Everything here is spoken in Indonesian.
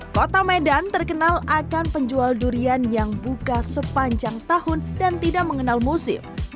kota medan terkenal akan penjual durian yang buka sepanjang tahun dan tidak mengenal musim